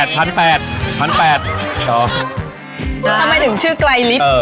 ทำไมถึงชื่อไกลลิฟต์